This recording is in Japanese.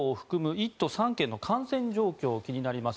１都３県の感染状況気になります。